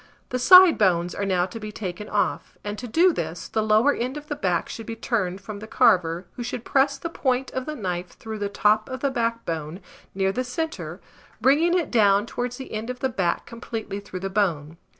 The side bones are now to be taken off; and to do this, the lower end of the back should be turned from the carver, who should press the point of the knife through the top of the backbone, near the centre, bringing it down towards the end of the back completely through the bone.